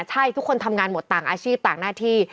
ใช่ทุกคนทำงานหมดต่างอาชีพต่างหน้าที่